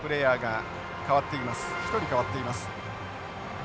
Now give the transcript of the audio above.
１人代わっています。